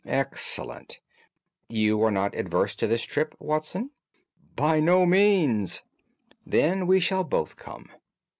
"Excellent. You are not averse to this trip, Watson?" "By no means." "Then we shall both come.